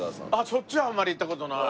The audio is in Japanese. そっちはあんまり行った事ない。